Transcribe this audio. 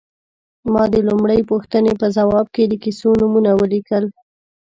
ما د لومړۍ پوښتنې په ځواب کې د کیسو نومونه ولیکل.